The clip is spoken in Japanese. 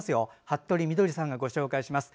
服部みどりさんがご紹介します。